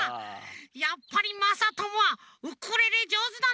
やっぱりまさともはウクレレじょうずだね！